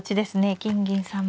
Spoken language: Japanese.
金銀３枚。